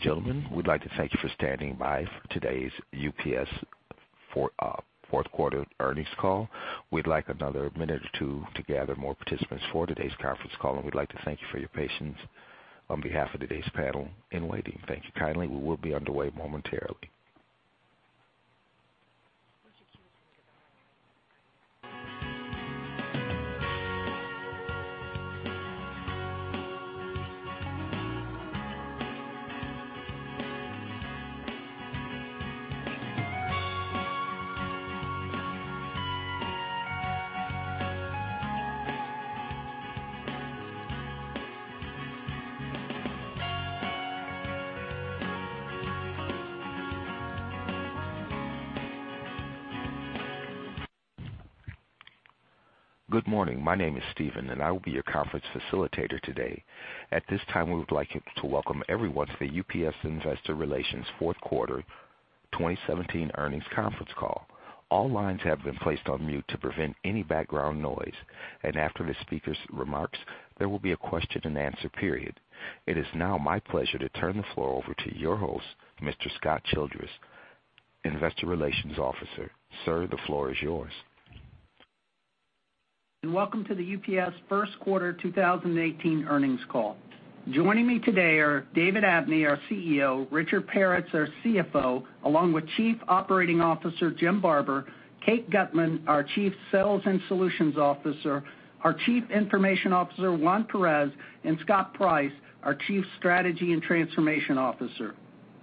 Ladies and gentlemen, we'd like to thank you for standing by for today's UPS fourth quarter earnings call. We'd like another minute or two to gather more participants for today's conference call. We'd like to thank you for your patience on behalf of today's panel in waiting. Thank you kindly. We will be underway momentarily. Good morning. My name is Steven, and I will be your conference facilitator today. At this time, we would like to welcome everyone to the UPS Investor Relations fourth quarter 2017 earnings conference call. All lines have been placed on mute to prevent any background noise. After the speaker's remarks, there will be a question-and-answer period. It is now my pleasure to turn the floor over to your host, Mr. Scott Childress, Investor Relations Officer. Sir, the floor is yours. Welcome to the UPS first quarter 2018 earnings call. Joining me today are David Abney, our CEO, Richard Peretz, our CFO, along with Chief Operating Officer Jim Barber, Kate Gutmann, our Chief Sales and Solutions Officer, our Chief Information Officer, Juan Perez, and Scott Price, our Chief Strategy and Transformation Officer.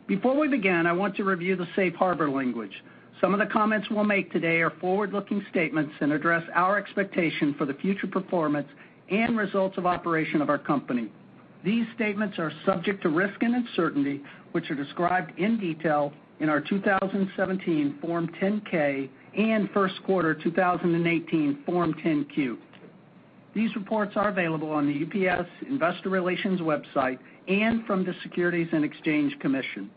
Before we begin, I want to review the safe harbor language. Some of the comments we'll make today are forward-looking statements and address our expectation for the future performance and results of operation of our company. These statements are subject to risk and uncertainty, which are described in detail in our 2017 Form 10-K and first quarter 2018 Form 10-Q. These reports are available on the UPS Investor Relations website and from the Securities and Exchange Commission.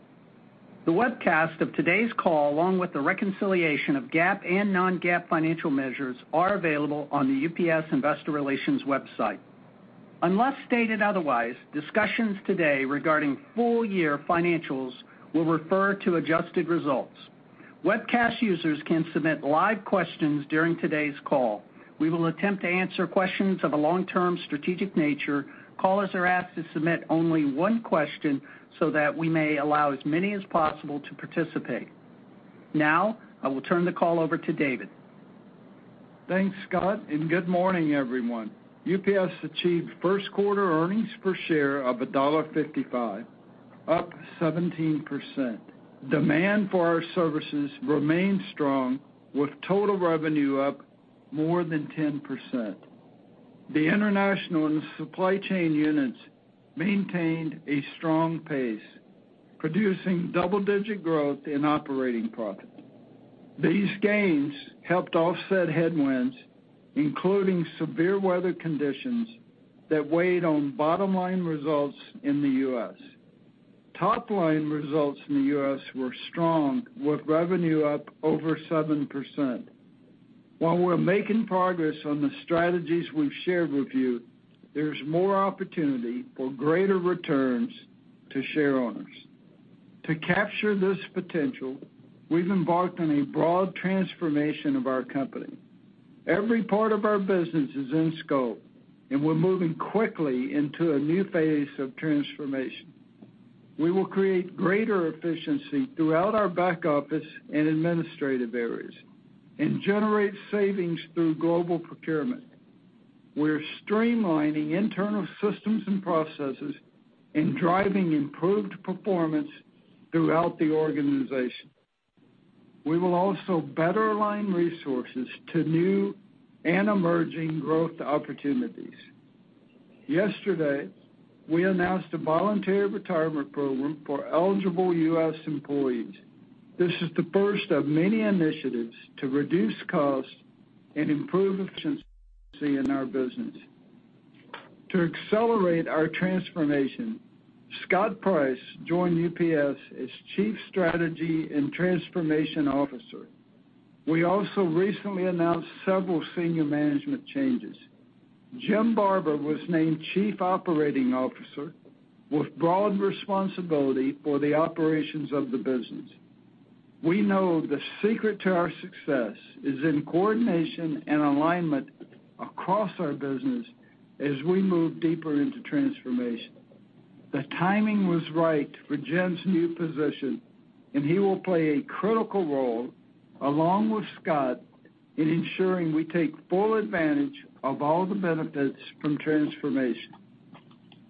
The webcast of today's call, along with the reconciliation of GAAP and non-GAAP financial measures, are available on the UPS Investor Relations website. Unless stated otherwise, discussions today regarding full year financials will refer to adjusted results. Webcast users can submit live questions during today's call. We will attempt to answer questions of a long-term strategic nature. Callers are asked to submit only one question so that we may allow as many as possible to participate. I will turn the call over to David. Thanks, Scott. Good morning, everyone. UPS achieved first quarter earnings per share of $1.55, up 17%. Demand for our services remained strong with total revenue up more than 10%. The international and supply chain units maintained a strong pace, producing double-digit growth in operating profit. These gains helped offset headwinds, including severe weather conditions that weighed on bottom-line results in the U.S. Top-line results in the U.S. were strong, with revenue up over 7%. While we're making progress on the strategies we've shared with you, there's more opportunity for greater returns to shareowners. To capture this potential, we've embarked on a broad transformation of our company. Every part of our business is in scope. We're moving quickly into a new phase of transformation. We will create greater efficiency throughout our back office and administrative areas and generate savings through global procurement. We're streamlining internal systems and processes and driving improved performance throughout the organization. We will also better align resources to new and emerging growth opportunities. Yesterday, we announced a voluntary retirement program for eligible U.S. employees. This is the first of many initiatives to reduce costs and improve efficiency in our business. To accelerate our transformation, Scott Price joined UPS as Chief Strategy and Transformation Officer. We also recently announced several senior management changes. Jim Barber was named Chief Operating Officer with broad responsibility for the operations of the business. We know the secret to our success is in coordination and alignment across our business as we move deeper into transformation. The timing was right for Jim's new position, and he will play a critical role, along with Scott, in ensuring we take full advantage of all the benefits from transformation.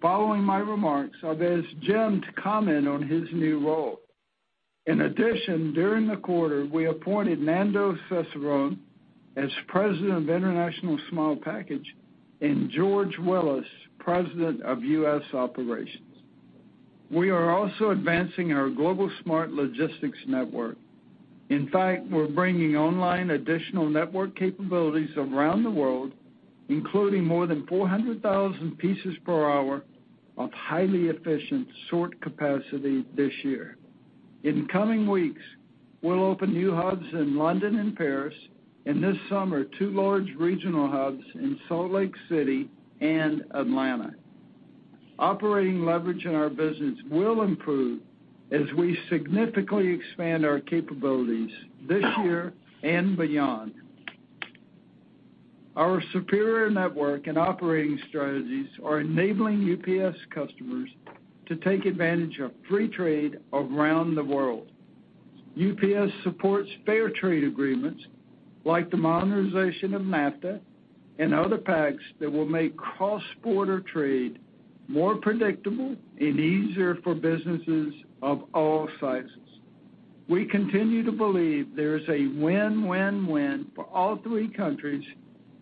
Following my remarks, I'll ask Jim to comment on his new role. In addition, during the quarter, we appointed Nando Cesarone as President of International Small Package and George Willis, President of U.S. Operations. We are also advancing our global Smart Logistics Network. In fact, we're bringing online additional network capabilities around the world, including more than 400,000 pieces per hour of highly efficient sort capacity this year. In the coming weeks, we'll open new hubs in London and Paris, and this summer, two large regional hubs in Salt Lake City and Atlanta. Operating leverage in our business will improve as we significantly expand our capabilities this year and beyond. Our superior network and operating strategies are enabling UPS customers to take advantage of free trade around the world. UPS supports fair trade agreements like the modernization of NAFTA and other pacts that will make cross-border trade more predictable and easier for businesses of all sizes. We continue to believe there is a win-win-win for all three countries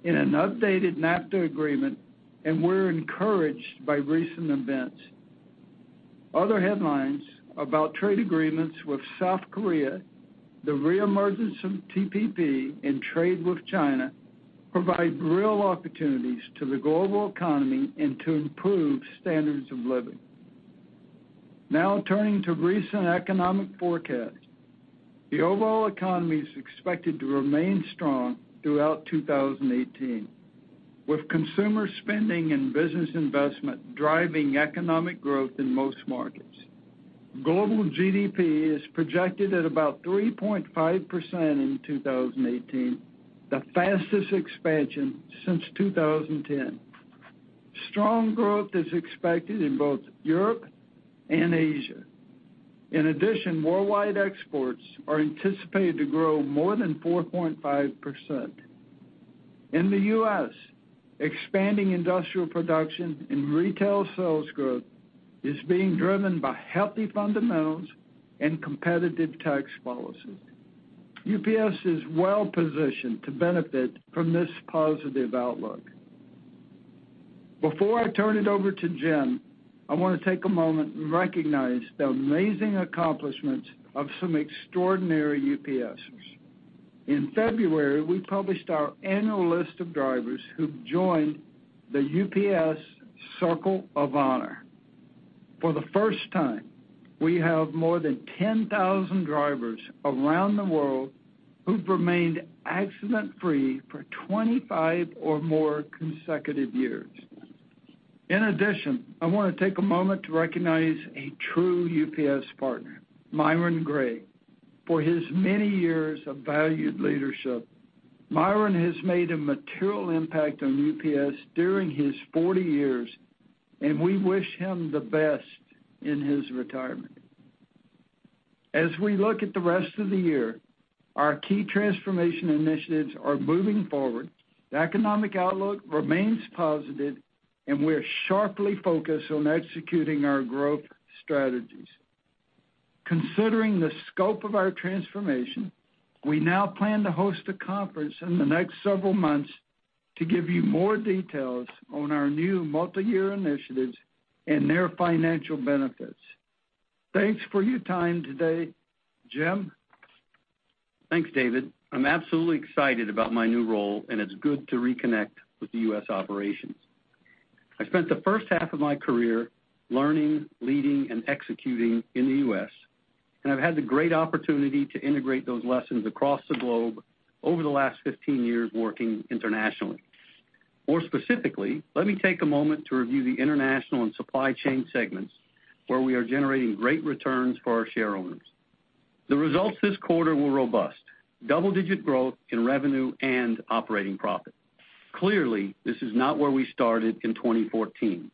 in an updated NAFTA agreement, and we're encouraged by recent events. Other headlines about trade agreements with South Korea, the reemergence of TPP, and trade with China provide real opportunities to the global economy and to improve standards of living. Now turning to recent economic forecasts. The overall economy is expected to remain strong throughout 2018, with consumer spending and business investment driving economic growth in most markets. Global GDP is projected at about 3.5% in 2018, the fastest expansion since 2010. Strong growth is expected in both Europe and Asia. In addition, worldwide exports are anticipated to grow more than 4.5%. In the U.S., expanding industrial production and retail sales growth is being driven by healthy fundamentals and competitive tax policy. UPS is well-positioned to benefit from this positive outlook. Before I turn it over to Jim, I want to take a moment and recognize the amazing accomplishments of some extraordinary UPSers. In February, we published our annual list of drivers who've joined the UPS Circle of Honor. For the first time, we have more than 10,000 drivers around the world who've remained accident-free for 25 or more consecutive years. In addition, I want to take a moment to recognize a true UPS partner, Myron Gray, for his many years of valued leadership. Myron has made a material impact on UPS during his 40 years, and we wish him the best in his retirement. As we look at the rest of the year, our key transformation initiatives are moving forward. The economic outlook remains positive. We're sharply focused on executing our growth strategies. Considering the scope of our transformation, we now plan to host a conference in the next several months to give you more details on our new multi-year initiatives and their financial benefits. Thanks for your time today. Jim? Thanks, David. I'm absolutely excited about my new role. It's good to reconnect with the U.S. operations. I spent the first half of my career learning, leading, and executing in the U.S. I've had the great opportunity to integrate those lessons across the globe over the last 15 years working internationally. More specifically, let me take a moment to review the International and Supply Chain segments, where we are generating great returns for our shareowners. The results this quarter were robust. Double-digit growth in revenue and operating profit. Clearly, this is not where we started in 2014.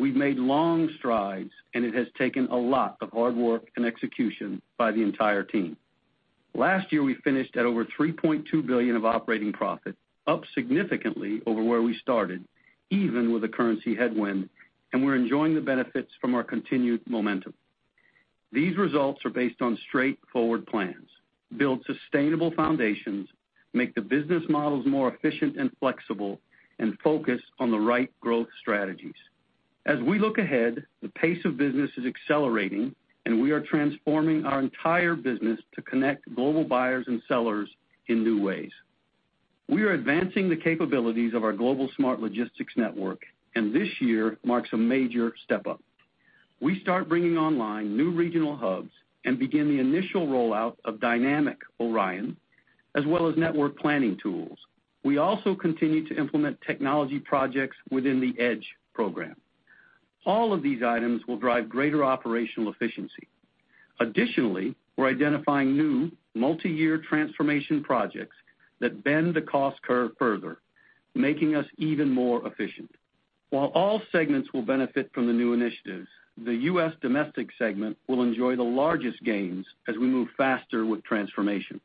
We've made long strides. It has taken a lot of hard work and execution by the entire team. Last year, we finished at over $3.2 billion of operating profit, up significantly over where we started, even with a currency headwind. We're enjoying the benefits from our continued momentum. These results are based on straightforward plans, build sustainable foundations, make the business models more efficient and flexible. Focus on the right growth strategies. As we look ahead, the pace of business is accelerating. We are transforming our entire business to connect global buyers and sellers in new ways. We are advancing the capabilities of our global Smart Logistics Network. This year marks a major step up. We start bringing online new regional hubs and begin the initial rollout of Dynamic ORION, as well as network planning tools. We also continue to implement technology projects within the EDGE program. All of these items will drive greater operational efficiency. Additionally, we're identifying new multi-year transformation projects that bend the cost curve further, making us even more efficient. While all segments will benefit from the new initiatives, the U.S. Domestic segment will enjoy the largest gains as we move faster with transformation.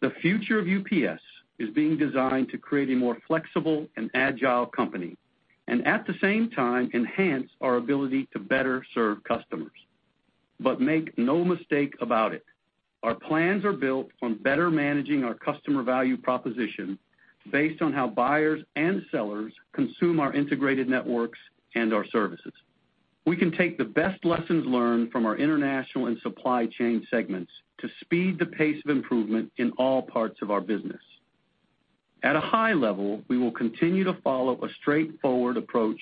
The future of UPS is being designed to create a more flexible and agile company. At the same time, enhance our ability to better serve customers. Make no mistake about it, our plans are built on better managing our customer value proposition based on how buyers and sellers consume our integrated networks and our services. We can take the best lessons learned from our International and Supply Chain segments to speed the pace of improvement in all parts of our business. At a high level, we will continue to follow a straightforward approach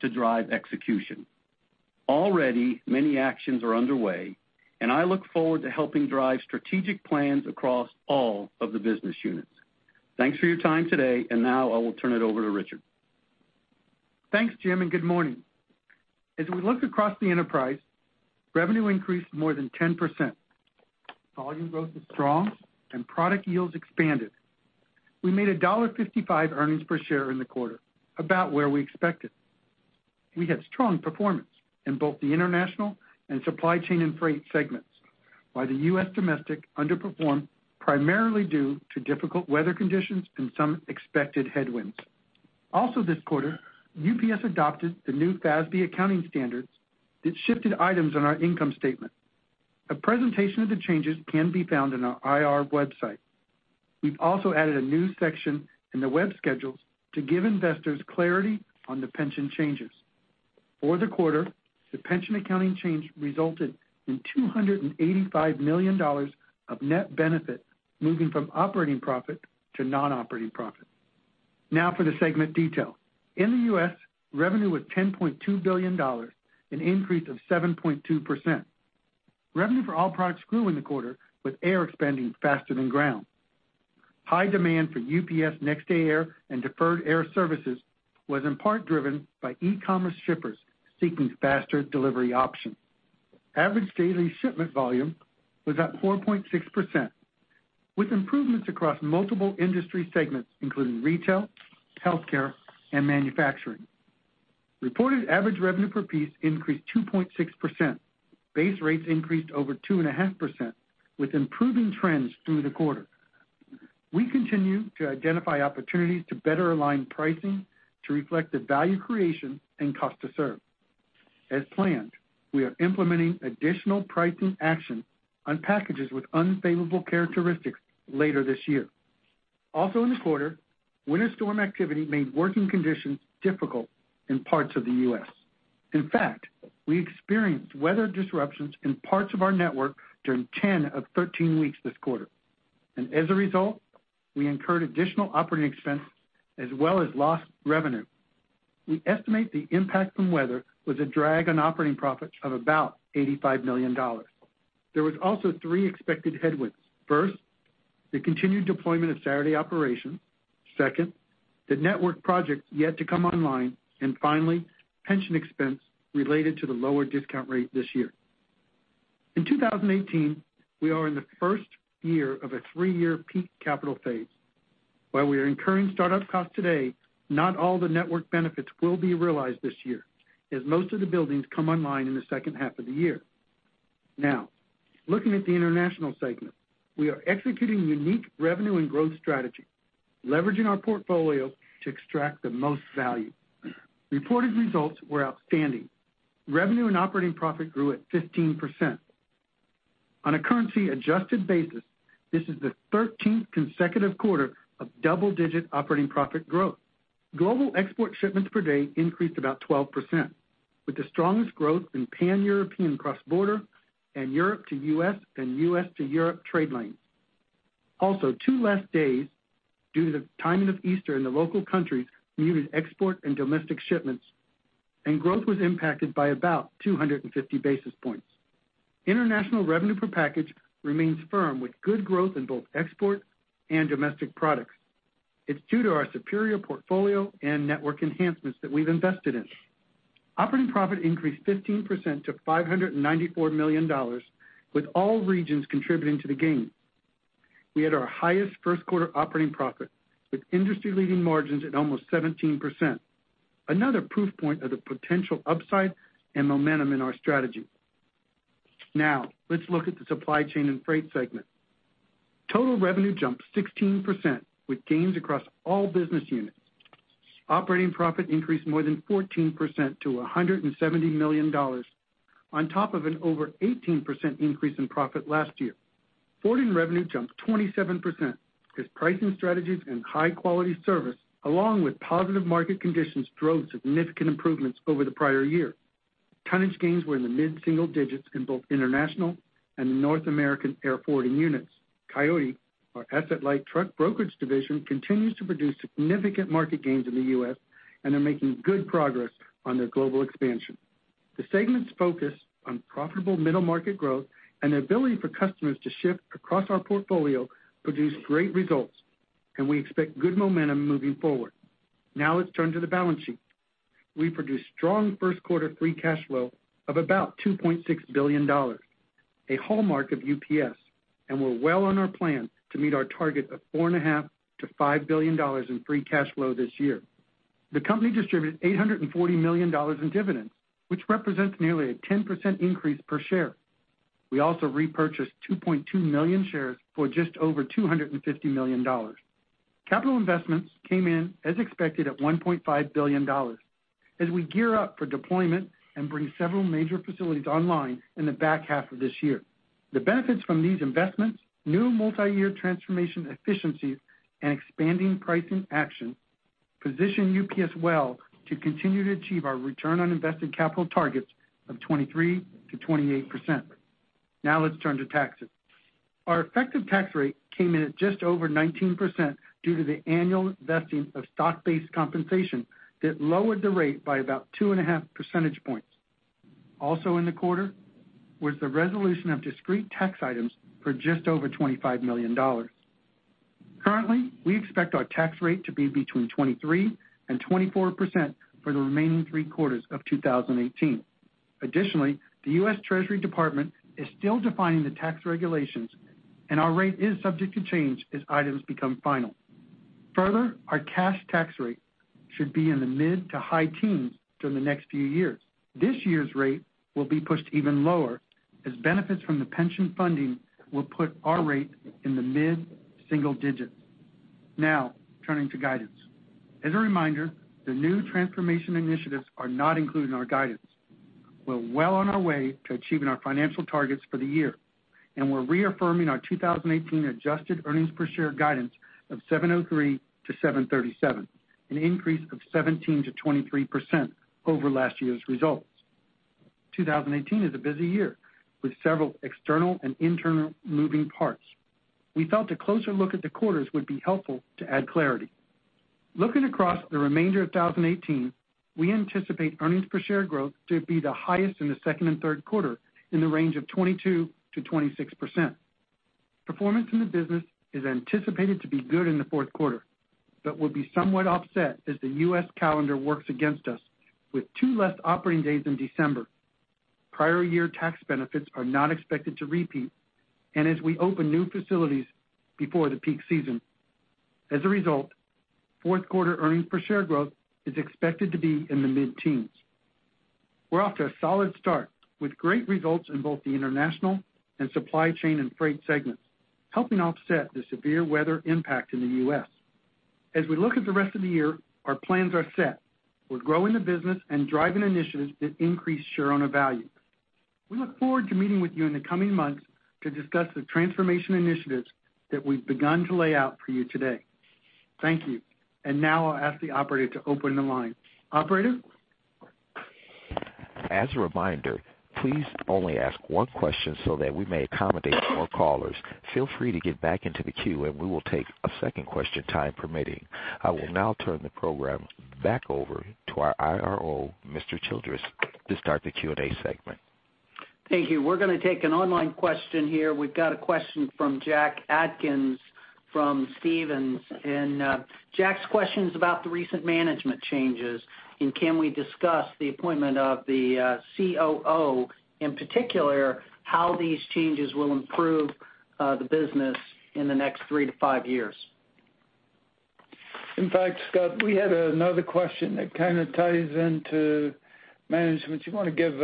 to drive execution. Already, many actions are underway. I look forward to helping drive strategic plans across all of the business units. Thanks for your time today. Now I will turn it over to Richard. Thanks, Jim. Good morning. As we look across the enterprise, revenue increased more than 10%. Volume growth was strong. Product yields expanded. We made $1.55 earnings per share in the quarter, about where we expected. We had strong performance in both the International and Supply Chain and Freight segments while the U.S. Domestic underperformed, primarily due to difficult weather conditions and some expected headwinds. Also this quarter, UPS adopted the new FASB accounting standards that shifted items on our income statement. A presentation of the changes can be found on our IR website. We've also added a new section in the web schedules to give investors clarity on the pension changes. For the quarter, the pension accounting change resulted in $285 million of net benefit moving from operating profit to non-operating profit. Now for the segment detail. In the U.S., revenue was $10.2 billion, an increase of 7.2%. Revenue for all products grew in the quarter, with air expanding faster than ground. High demand for UPS Next Day Air and deferred air services was in part driven by e-commerce shippers seeking faster delivery options. Average daily shipment volume was up 4.6%, with improvements across multiple industry segments, including retail, healthcare, and manufacturing. Reported average revenue per piece increased 2.6%. Base rates increased over 2.5% with improving trends through the quarter. We continue to identify opportunities to better align pricing to reflect the value creation and cost to serve. As planned, we are implementing additional pricing action on packages with unfavorable characteristics later this year. Also in the quarter, winter storm activity made working conditions difficult in parts of the U.S. In fact, we experienced weather disruptions in parts of our network during 10 of 13 weeks this quarter. As a result, we incurred additional operating expenses as well as lost revenue. We estimate the impact from weather was a drag on operating profits of about $85 million. There was also three expected headwinds. First, the continued deployment of Saturday operations. Second, the network projects yet to come online. Finally, pension expense related to the lower discount rate this year. In 2018, we are in the first year of a three-year peak capital phase. While we are incurring startup costs today, not all the network benefits will be realized this year, as most of the buildings come online in the second half of the year. Now, looking at the International segment. We are executing unique revenue and growth strategy, leveraging our portfolio to extract the most value. Reported results were outstanding. Revenue and operating profit grew at 15%. On a currency-adjusted basis, this is the 13th consecutive quarter of double-digit operating profit growth. Global export shipments per day increased about 12%, with the strongest growth in Pan-European cross-border and Europe to U.S. and U.S. to Europe trade lanes. Two less days due to the timing of Easter in the local countries muted export and domestic shipments, and growth was impacted by about 250 basis points. International revenue per package remains firm with good growth in both export and domestic products. It's due to our superior portfolio and network enhancements that we've invested in. Operating profit increased 15% to $594 million, with all regions contributing to the gain. We had our highest first quarter operating profit, with industry-leading margins at almost 17%. Another proof point of the potential upside and momentum in our strategy. Let's look at the supply chain and freight segment. Total revenue jumped 16%, with gains across all business units. Operating profit increased more than 14% to $170 million, on top of an over 18% increase in profit last year. Forwarding revenue jumped 27% as pricing strategies and high-quality service, along with positive market conditions, drove significant improvements over the prior year. Tonnage gains were in the mid-single digits in both international and the North American air forwarding units. Coyote, our asset-light truck brokerage division, continues to produce significant market gains in the U.S. and are making good progress on their global expansion. The segment's focus on profitable middle market growth and the ability for customers to ship across our portfolio produced great results, and we expect good momentum moving forward. Let's turn to the balance sheet. We produced strong first quarter free cash flow of about $2.6 billion, a hallmark of UPS, and we're well on our plan to meet our target of $4.5 billion to $5 billion in free cash flow this year. The company distributed $840 million in dividends, which represents nearly a 10% increase per share. We also repurchased 2.2 million shares for just over $250 million. Capital investments came in as expected at $1.5 billion as we gear up for deployment and bring several major facilities online in the back half of this year. The benefits from these investments, new multiyear transformation efficiencies, and expanding pricing action position UPS well to continue to achieve our return on invested capital targets of 23%-28%. Let's turn to taxes. Our effective tax rate came in at just over 19% due to the annual vesting of stock-based compensation that lowered the rate by about two and a half percentage points. In the quarter, was the resolution of discrete tax items for just over $25 million. Currently, we expect our tax rate to be between 23% and 24% for the remaining three quarters of 2018. The U.S. Department of the Treasury is still defining the tax regulations, and our rate is subject to change as items become final. Our cash tax rate should be in the mid to high teens during the next few years. This year's rate will be pushed even lower as benefits from the pension funding will put our rate in the mid-single digits. Turning to guidance. As a reminder, the new transformation initiatives are not included in our guidance. We're well on our way to achieving our financial targets for the year, we're reaffirming our 2018 adjusted earnings per share guidance of $7.03-$7.37, an increase of 17%-23% over last year's results. 2018 is a busy year, with several external and internal moving parts. We felt a closer look at the quarters would be helpful to add clarity. Looking across the remainder of 2018, we anticipate earnings per share growth to be the highest in the second and third quarter in the range of 22%-26%. Performance in the business is anticipated to be good in the fourth quarter, but will be somewhat offset as the U.S. calendar works against us with two less operating days in December. Prior year tax benefits are not expected to repeat, as we open new facilities before the peak season. As a result, fourth quarter earnings per share growth is expected to be in the mid-teens. We're off to a solid start with great results in both the international and supply chain and freight segments, helping offset the severe weather impact in the U.S. As we look at the rest of the year, our plans are set. We're growing the business and driving initiatives that increase share owner value. We look forward to meeting with you in the coming months to discuss the transformation initiatives that we've begun to lay out for you today. Thank you. Now I'll ask the operator to open the line. Operator? As a reminder, please only ask one question so that we may accommodate more callers. Feel free to get back into the queue, we will take a second question, time permitting. I will now turn the program back over to our IRO, Mr. Childress, to start the Q&A segment. Thank you. We're going to take an online question here. We've got a question from Jack Atkins from Stephens. Jack's question is about the recent management changes, can we discuss the appointment of the COO, in particular, how these changes will improve the business in the next 3 to 5 years. In fact, Scott, we had another question that kind of ties into management. Do you want to give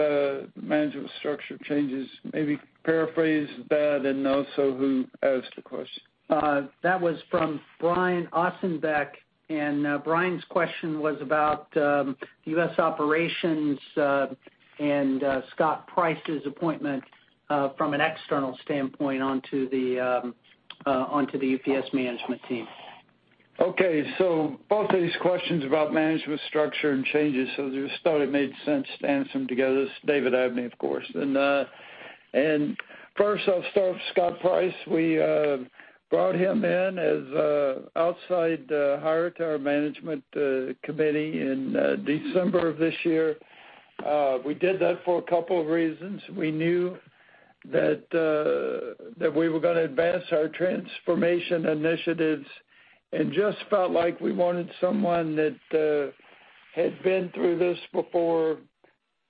management structure changes, maybe paraphrase that, and also who asked the question? That was from Brian Ossenbeck, Brian's question was about U.S. operations and Scott Price's appointment from an external standpoint onto the UPS management team. Okay. Both of these questions about management structure and changes, just thought it made sense to answer them together. This is David Abney, of course. First, I'll start with Scott Price. We brought him in as a outside hire to our management committee in December of this year. We did that for a couple of reasons. We knew that we were going to advance our transformation initiatives and just felt like we wanted someone that had been through this before,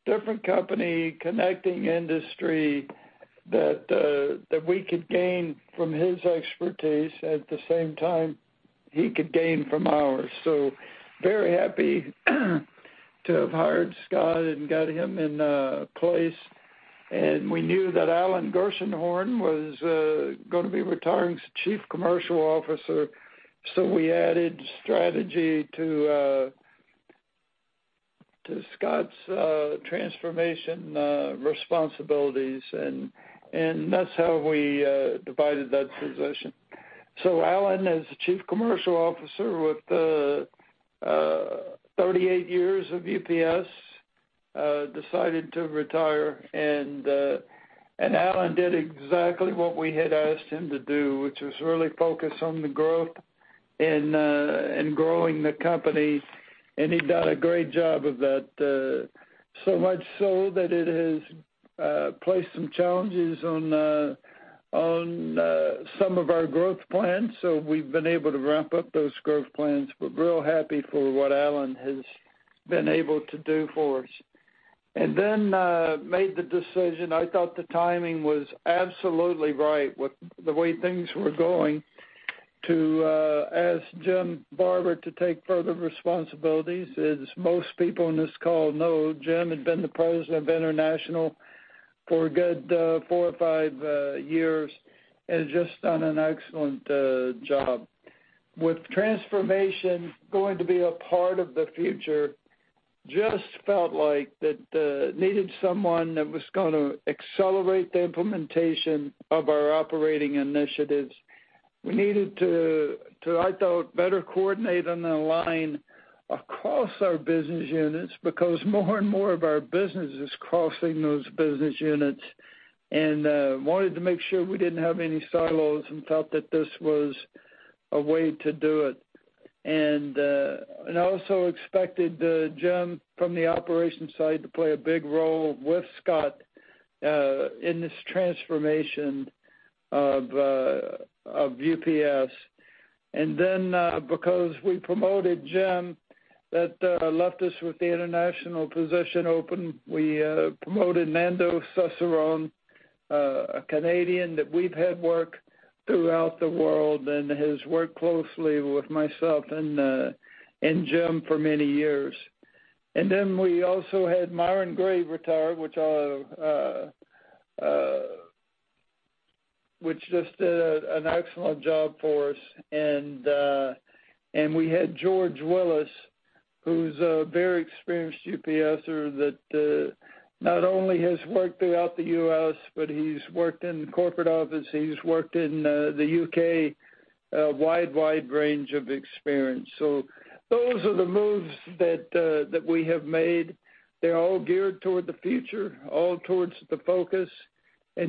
different company, connecting industry, that we could gain from his expertise. At the same time, he could gain from ours. Very happy to have hired Scott and got him in place. We knew that Alan Gershenhorn was going to be retiring as the Chief Commercial Officer, we added strategy to Scott's transformation responsibilities, and that's how we divided that position. Alan, as the Chief Commercial Officer with 38 years of UPS, decided to retire, Alan did exactly what we had asked him to do, which was really focus on the growth and growing the company, he done a great job of that. Much so that it has placed some challenges on some of our growth plans, we've been able to ramp up those growth plans. We're real happy for what Alan has been able to do for us. Made the decision, I thought the timing was absolutely right with the way things were going to ask Jim Barber to take further responsibilities. As most people on this call know, Jim had been the President of International for a good four or five years and just done an excellent job. With transformation going to be a part of the future, just felt like that needed someone that was going to accelerate the implementation of our operating initiatives. We needed to better coordinate and align across our business units because more and more of our business is crossing those business units, and wanted to make sure we didn't have any silos and felt that this was a way to do it. Also expected Jim from the operations side to play a big role with Scott in this transformation of UPS. Because we promoted Jim, that left us with the international position open. We promoted Nando Cesarone, a Canadian that we've had work throughout the world and has worked closely with myself and Jim for many years. We also had Myron Gray retire, which just did an excellent job for us. We had George Willis, who's a very experienced UPS-er that not only has worked throughout the U.S., but he's worked in the corporate office, he's worked in the U.K., a wide range of experience. Those are the moves that we have made. They're all geared toward the future, all towards the focus.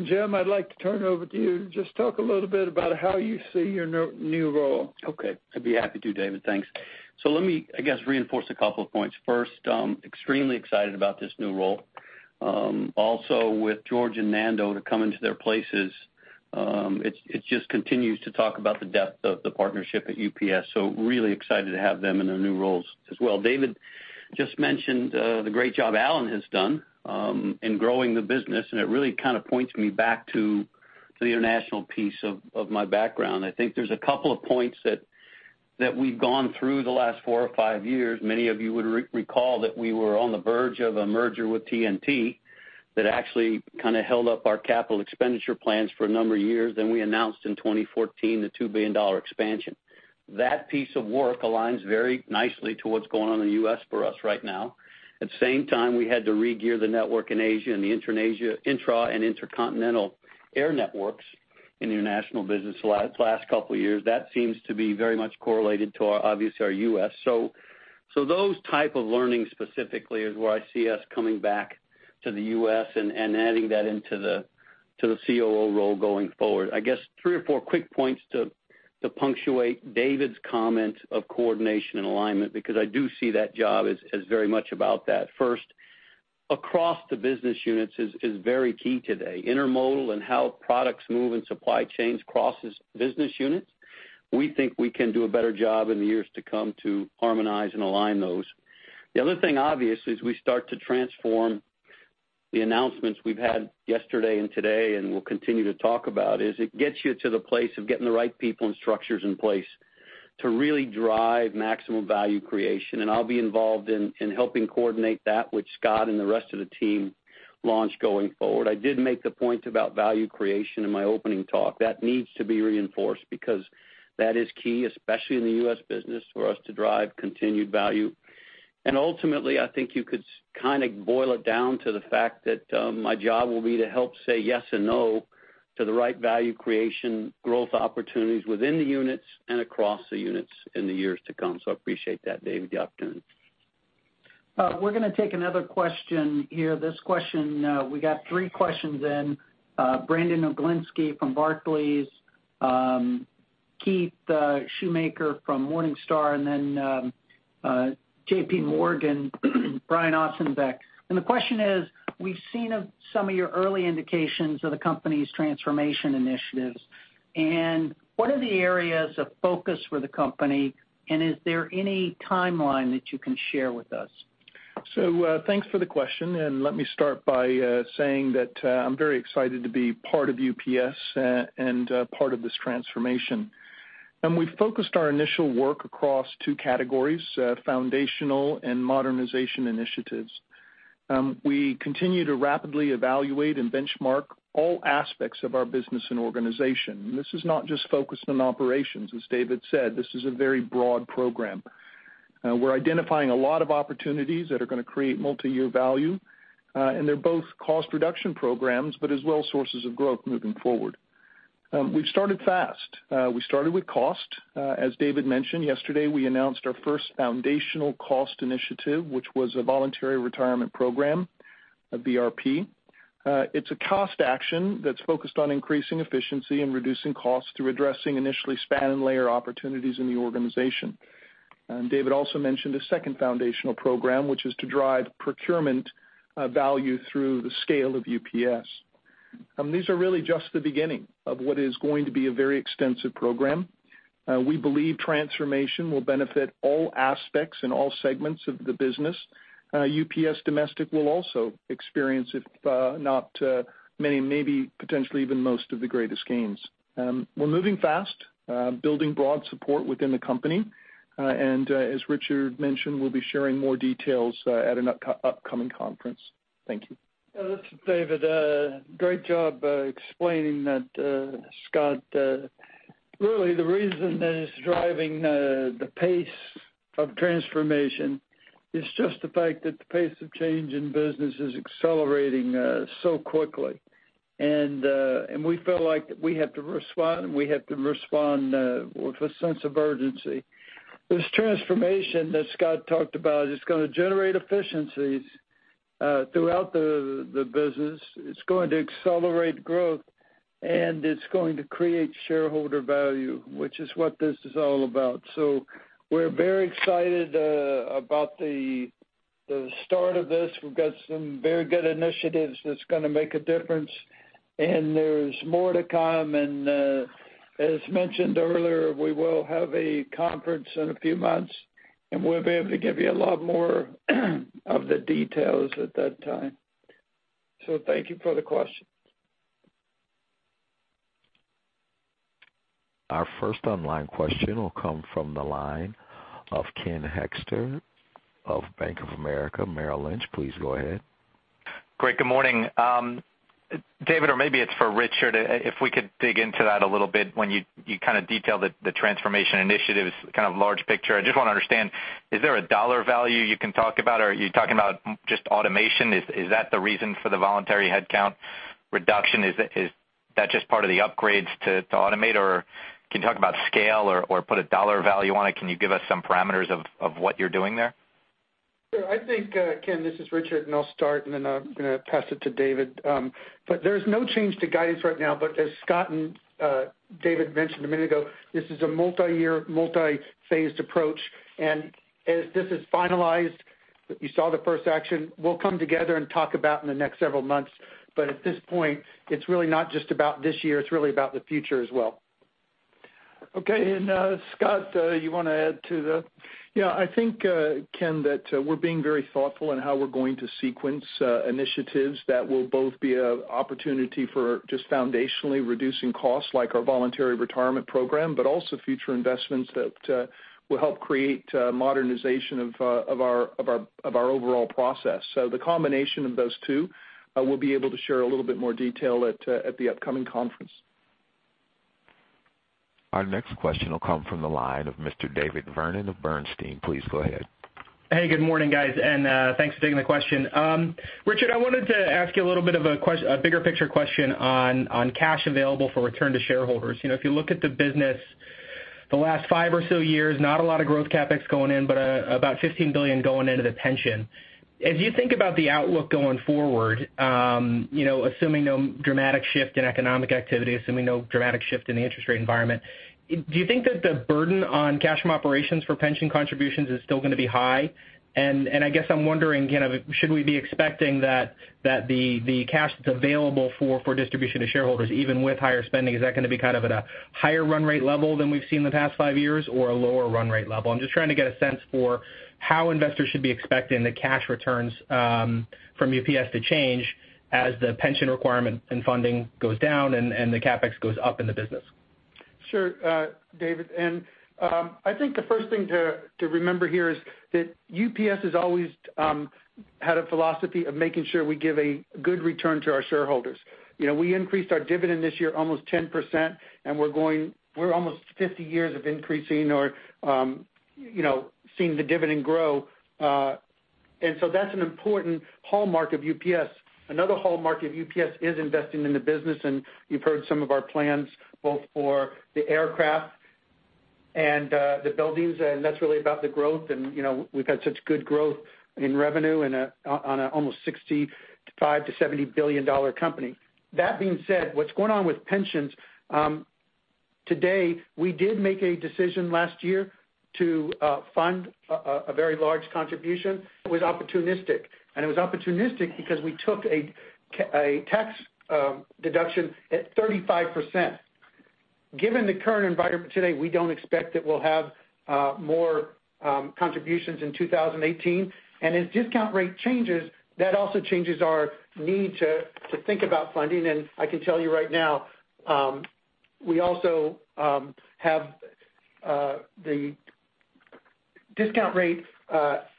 Jim, I'd like to turn it over to you. Just talk a little bit about how you see your new role. Okay. I'd be happy to, David. Thanks. Let me, I guess, reinforce a couple of points. First, extremely excited about this new role. Also with George and Nando to come into their places, it just continues to talk about the depth of the partnership at UPS, so really excited to have them in their new roles as well. David just mentioned the great job Alan has done in growing the business, and it really kind of points me back to the international piece of my background. I think there's a couple of points that we've gone through the last four or five years. Many of you would recall that we were on the verge of a merger with TNT that actually held up our capital expenditure plans for a number of years, then we announced in 2014 the $2 billion expansion. That piece of work aligns very nicely to what's going on in the U.S. for us right now. At the same time, we had to regear the network in Asia and the intra and intercontinental air networks in the international business the last couple of years. That seems to be very much correlated to, obviously, our U.S. Those type of learning specifically is where I see us coming back to the U.S. and adding that into the COO role going forward. I guess three or four quick points to punctuate David's comment of coordination and alignment, because I do see that job as very much about that. First, across the business units is very key today. Intermodal and how products move and supply chains crosses business units. We think we can do a better job in the years to come to harmonize and align those. The other thing, obviously, as we start to transform the announcements we've had yesterday and today and will continue to talk about is it gets you to the place of getting the right people and structures in place to really drive maximum value creation. I'll be involved in helping coordinate that, which Scott and the rest of the team launch going forward. I did make the point about value creation in my opening talk. That needs to be reinforced because that is key, especially in the U.S. business, for us to drive continued value. Ultimately, I think you could boil it down to the fact that my job will be to help say yes and no to the right value creation growth opportunities within the units and across the units in the years to come. I appreciate that, David. The opportunity. We're going to take another question here. We got three questions in. Brandon Oglenski from Barclays, Keith Schoonmaker from Morningstar, J.P. Morgan, Brian Ossenbeck. The question is: We've seen some of your early indications of the company's transformation initiatives, what are the areas of focus for the company, is there any timeline that you can share with us? Thanks for the question, let me start by saying that I'm very excited to be part of UPS and part of this transformation. We've focused our initial work across 2 categories, foundational and modernization initiatives. We continue to rapidly evaluate and benchmark all aspects of our business and organization. This is not just focused on operations. As David said, this is a very broad program. We're identifying a lot of opportunities that are going to create multi-year value, they're both cost reduction programs, but as well sources of growth moving forward. We've started fast. We started with cost. As David mentioned yesterday, we announced our first foundational cost initiative, which was a voluntary retirement program, a VRP. It's a cost action that's focused on increasing efficiency and reducing costs through addressing initially span and layer opportunities in the organization. David also mentioned a second foundational program, which is to drive procurement value through the scale of UPS. These are really just the beginning of what is going to be a very extensive program. We believe transformation will benefit all aspects and all segments of the business. UPS Domestic will also experience it, if not many, maybe potentially even most of the greatest gains. We're moving fast, building broad support within the company, as Richard mentioned, we'll be sharing more details at an upcoming conference. Thank you. This is David. Great job explaining that, Scott. Really, the reason that is driving the pace of transformation is just the fact that the pace of change in business is accelerating so quickly. We feel like we have to respond, and we have to respond with a sense of urgency. This transformation that Scott talked about is going to generate efficiencies throughout the business. It's going to accelerate growth, and it's going to create shareholder value, which is what this is all about. We're very excited about the start of this. We've got some very good initiatives that's going to make a difference, and there's more to come. As mentioned earlier, we will have a conference in a few months, and we'll be able to give you a lot more of the details at that time. Thank you for the question. Our first online question will come from the line of Ken Hoexter of Bank of America Merrill Lynch. Please go ahead. Great. Good morning. David, or maybe it's for Richard, if we could dig into that a little bit when you kind of detailed the transformation initiatives kind of large picture. I just want to understand, is there a $ value you can talk about, or are you talking about just automation? Is that the reason for the voluntary headcount reduction? Is that just part of the upgrades to automate, or can you talk about scale or put a $ value on it? Can you give us some parameters of what you're doing there? Sure. I think, Ken, this is Richard, I'll start, and then I'm going to pass it to David. There's no change to guidance right now, as Scott and David mentioned a minute ago, this is a multi-year, multi-phased approach. As this is finalized, you saw the first action, we'll come together and talk about in the next several months. At this point, it's really not just about this year, it's really about the future as well. Okay. Scott, you want to add to that? I think, Ken, that we're being very thoughtful in how we're going to sequence initiatives that will both be an opportunity for just foundationally reducing costs, like our voluntary retirement program, but also future investments that will help create modernization of our overall process. The combination of those two, we'll be able to share a little bit more detail at the upcoming conference. Our next question will come from the line of Mr. David Vernon of Bernstein. Please go ahead. Good morning, guys, thanks for taking the question. Richard, I wanted to ask you a little bit of a bigger picture question on cash available for return to shareholders. If you look at the business the last five or so years, not a lot of growth CapEx going in, but about $15 billion going into the pension. As you think about the outlook going forward, assuming no dramatic shift in economic activity, assuming no dramatic shift in the interest rate environment, do you think that the burden on cash from operations for pension contributions is still going to be high? I guess I'm wondering, should we be expecting that the cash that's available for distribution to shareholders, even with higher spending, is that going to be at a higher run rate level than we've seen the past five years or a lower run rate level? I'm just trying to get a sense for how investors should be expecting the cash returns from UPS to change as the pension requirement and funding goes down and the CapEx goes up in the business. Sure, David. I think the first thing to remember here is that UPS has always had a philosophy of making sure we give a good return to our shareholders. We increased our dividend this year almost 10%, and we're almost 50 years of increasing or seeing the dividend grow. That's an important hallmark of UPS. Another hallmark of UPS is investing in the business, you've heard some of our plans both for the aircraft and the buildings, that's really about the growth. We've had such good growth in revenue on an almost $65 billion-$70 billion company. That being said, what's going on with pensions, today, we did make a decision last year to fund a very large contribution. It was opportunistic, and it was opportunistic because we took a tax deduction at 35%. Given the current environment today, we don't expect that we'll have more contributions in 2018. As discount rate changes, that also changes our need to think about funding. I can tell you right now, we also have the discount rate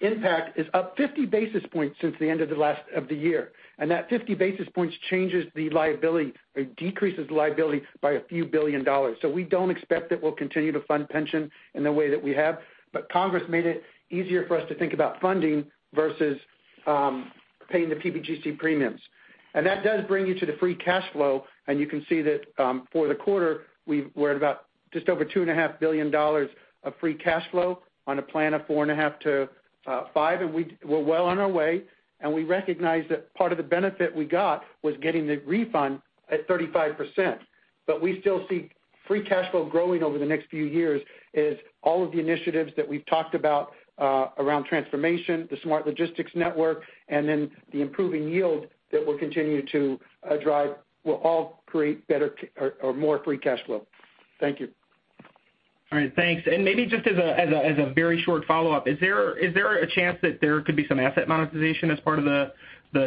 impact is up 50 basis points since the end of the last of the year. That 50 basis points changes the liability or decreases the liability by a few billion dollars. We don't expect that we'll continue to fund pension in the way that we have, but Congress made it easier for us to think about funding versus paying the PBGC premiums. That does bring you to the free cash flow, you can see that for the quarter, we were at about just over $2.5 billion of free cash flow on a plan of four and a half to five, we're well on our way, we recognize that part of the benefit we got was getting the refund at 35%. We still see free cash flow growing over the next few years is all of the initiatives that we've talked about around transformation, the Smart Logistics Network, the improving yield that we'll continue to drive will all create more free cash flow. Thank you. All right. Thanks. Maybe just as a very short follow-up, is there a chance that there could be some asset monetization as part of the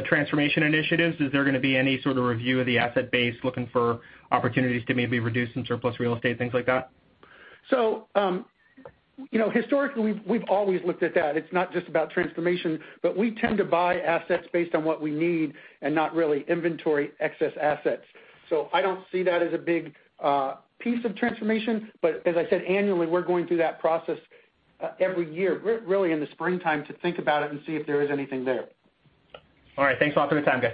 transformation initiatives? Is there going to be any sort of review of the asset base looking for opportunities to maybe reduce some surplus real estate, things like that? Historically, we've always looked at that. It's not just about transformation, but we tend to buy assets based on what we need and not really inventory excess assets. I don't see that as a big piece of transformation. As I said, annually, we're going through that process every year, really in the springtime, to think about it and see if there is anything there. All right. Thanks a lot for the time, guys.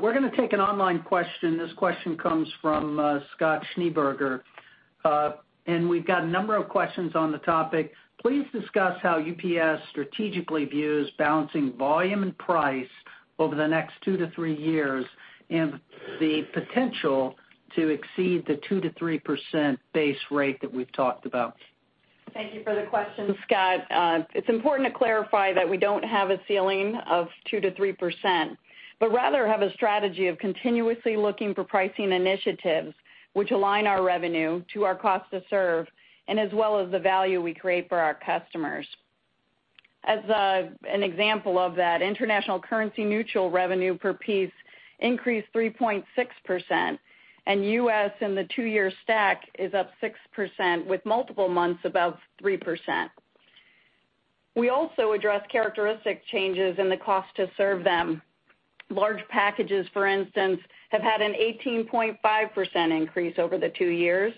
We're going to take an online question. This question comes from Scott Schneeberger. We've got a number of questions on the topic. Please discuss how UPS strategically views balancing volume and price over the next two to three years, and the potential to exceed the 2%-3% base rate that we've talked about. Thank you for the question, Scott. It's important to clarify that we don't have a ceiling of 2%-3%, but rather have a strategy of continuously looking for pricing initiatives which align our revenue to our cost to serve, and as well as the value we create for our customers. As an example of that, international currency-neutral revenue per piece increased 3.6%, and U.S. in the two-year stack is up 6% with multiple months above 3%. We also address characteristic changes in the cost to serve them. Large packages, for instance, have had an 18.5% increase over the two years,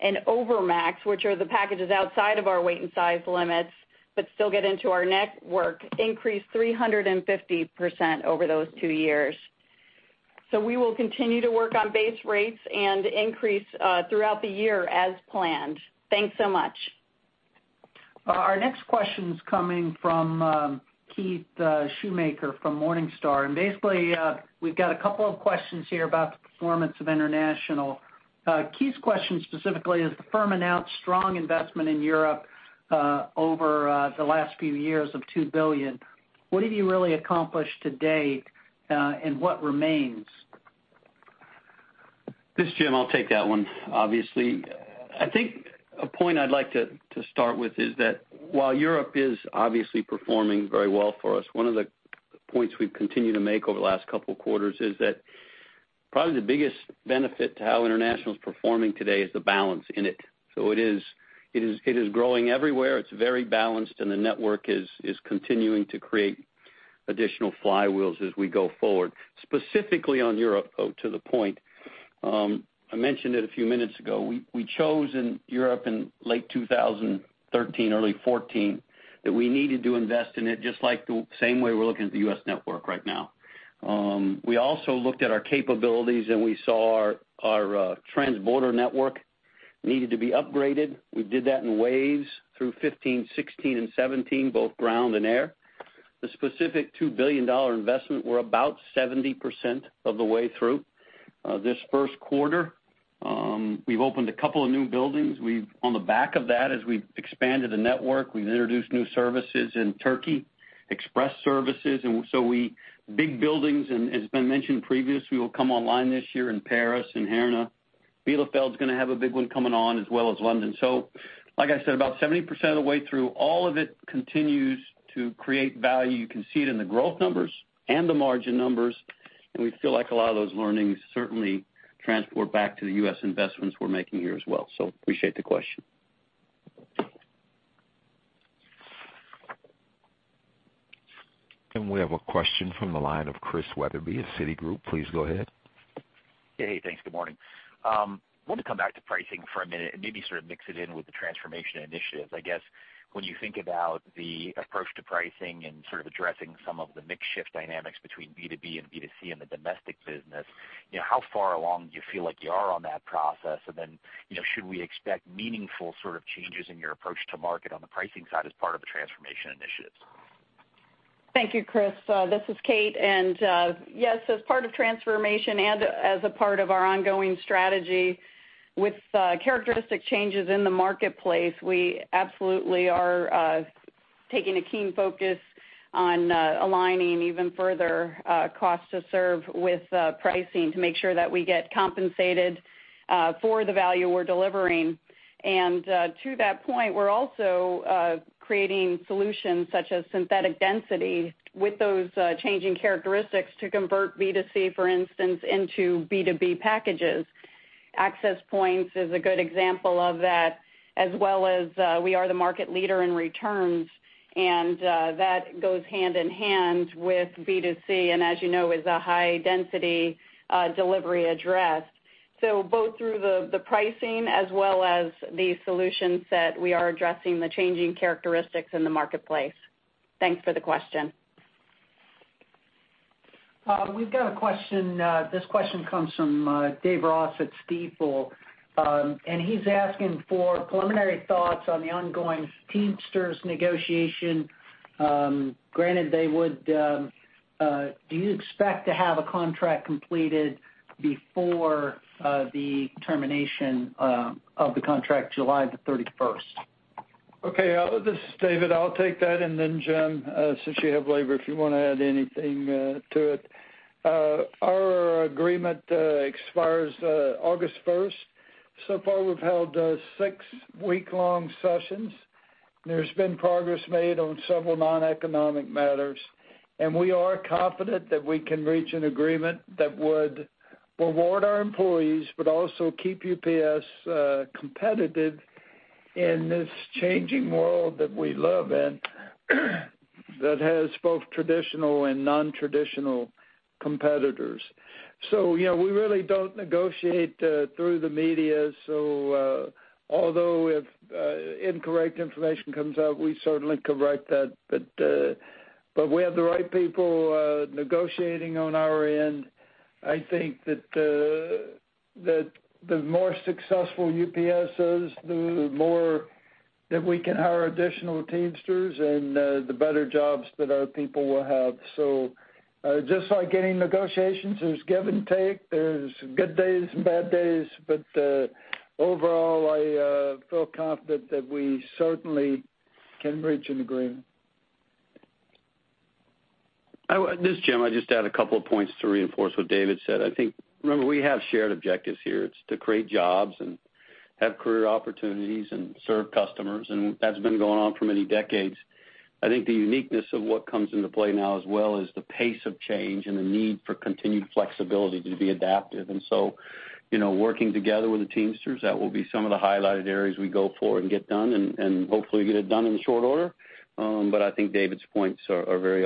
and over max, which are the packages outside of our weight and size limits, but still get into our network, increased 350% over those two years. We will continue to work on base rates and increase throughout the year as planned. Thanks so much. Our next question is coming from Keith Schoonmaker from Morningstar. Basically, we've got a couple of questions here about the performance of international. Keith's question specifically is the firm announced strong investment in Europe over the last few years of $2 billion. What have you really accomplished to date, and what remains? This is Jim. I'll take that one, obviously. I think a point I'd like to start with is that while Europe is obviously performing very well for us, one of the points we've continued to make over the last couple of quarters is that probably the biggest benefit to how international is performing today is the balance in it. It is growing everywhere, it's very balanced, and the network is continuing to create additional flywheels as we go forward. Specifically on Europe, though, to the point, I mentioned it a few minutes ago. We chose in Europe in late 2013, early 2014 that we needed to invest in it just like the same way we're looking at the U.S. network right now. We also looked at our capabilities, and we saw our transborder network needed to be upgraded. We did that in waves through 2015, 2016, and 2017, both ground and air. The specific $2 billion investment, we're about 70% of the way through. This first quarter, we've opened a couple of new buildings. On the back of that, as we've expanded the network, we've introduced new services in Turkey, express services. Big buildings, and as been mentioned previous, we will come online this year in Paris, in Herne. Bielefeld is going to have a big one coming on as well as London. Like I said, about 70% of the way through. All of it continues to create value. You can see it in the growth numbers and the margin numbers, and we feel like a lot of those learnings certainly transport back to the U.S. investments we're making here as well. Appreciate the question. We have a question from the line of Chris Wetherbee of Citigroup. Please go ahead. Hey. Thanks. Good morning. I wanted to come back to pricing for a minute and maybe sort of mix it in with the transformation initiatives. I guess when you think about the approach to pricing and sort of addressing some of the mix shift dynamics between B2B and B2C in the domestic business, how far along do you feel like you are on that process? Should we expect meaningful sort of changes in your approach to market on the pricing side as part of the transformation initiatives? Thank you, Chris. This is Kate. Yes, as part of transformation and as a part of our ongoing strategy with characteristic changes in the marketplace, we absolutely are taking a keen focus on aligning even further cost to serve with pricing to make sure that we get compensated for the value we're delivering. To that point, we're also creating solutions such as synthetic density with those changing characteristics to convert B2C, for instance, into B2B packages. Access Point is a good example of that, as well as we are the market leader in returns, and that goes hand in hand with B2C and as you know, is a high-density delivery address. Both through the pricing as well as the solution set, we are addressing the changing characteristics in the marketplace. Thanks for the question. We've got a question. This question comes from Dave Ross at Stifel. He's asking for preliminary thoughts on the ongoing Teamsters negotiation. Do you expect to have a contract completed before the termination of the contract July the 31st? Okay. This is David. I'll take that. Then Jim, since you have labor, if you want to add anything to it. Our agreement expires August 1st. So far, we've held six week-long sessions. There's been progress made on several non-economic matters. We are confident that we can reach an agreement that would reward our employees, but also keep UPS competitive in this changing world that we live in that has both traditional non-traditional competitors. We really don't negotiate through the media. Although if incorrect information comes out, we certainly correct that. We have the right people negotiating on our end. I think that the more successful UPS is, the more that we can hire additional Teamsters and the better jobs that our people will have. Just like any negotiations, there's give and take, there's good days and bad days. Overall, I feel confident that we certainly can reach an agreement. This is Jim Barber. I'll just add a couple of points to reinforce what David Abney said. I think, remember, we have shared objectives here. It's to create jobs and have career opportunities and serve customers, and that's been going on for many decades. I think the uniqueness of what comes into play now as well is the pace of change and the need for continued flexibility to be adaptive. Working together with the Teamsters, that will be some of the highlighted areas we go for and get done and hopefully get it done in short order. I think David Abney's points are very